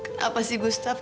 kenapa sih gustaf